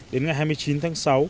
đến ngày hai mươi chín tháng sáu